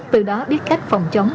từ đó biết cách phòng chống